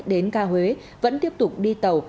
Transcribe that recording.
đến ga huế vẫn tiếp tục đi tàu